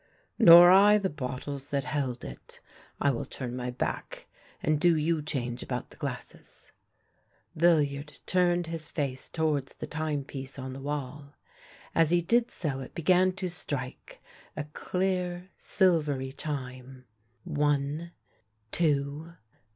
" Nor I the bottles that held it. I will turn my back, and do you change about the glasses." Villiard turned his face towards the timepiece on the wall. As he did so it began to strike — a clear, silvery chime :" One ! two